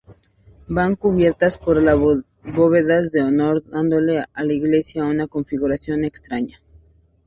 Van cubiertas por bóvedas de horno, dándole a la iglesia una configuración extraña.